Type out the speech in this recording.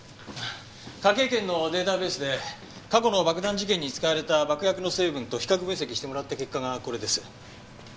科警研のデータベースで過去の爆弾事件に使われた爆薬の成分と比較分析してもらった結果がこれです。